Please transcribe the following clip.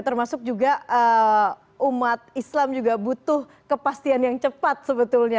termasuk juga umat islam juga butuh kepastian yang cepat sebetulnya